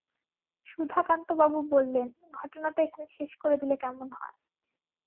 সুধাকান্তবাবু বললেন, ঘটনাটা এখানে শেষ করে দিলে কেমন হয়?